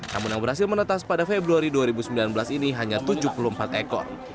namun yang berhasil menetas pada februari dua ribu sembilan belas ini hanya tujuh puluh empat ekor